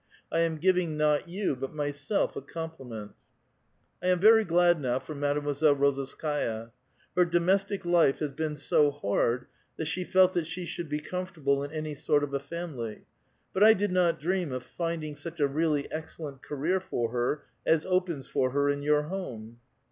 I am giving not you, but myself, a compliment !" ''I am very glad now for Mademoiselle Rozalskaia; her domestic life has been so hard that she felt that she should be comfortable in anv sort of a familv. But I did not dream of finding such a really excellent career for her as opens for her in your home."